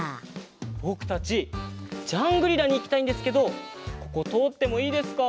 ぼくたちジャングリラにいきたいんですけどこことおってもいいですか？